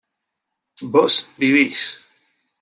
vos vivís